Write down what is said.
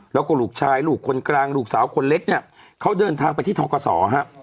แล้วก็ลูกชายลูกคนกลางลูกสาวคนเล็กเนี่ยเขาเดินทางไปที่ทกศฮะ